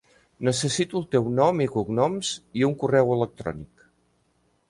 Necessito el teu nom i cognoms i un correu electrònic.